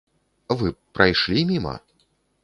Вы б прайшлі міма?